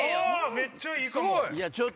めっちゃいいかも！